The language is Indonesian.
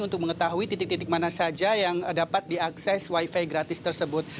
untuk mengetahui titik titik mana saja yang dapat diakses wifi gratis tersebut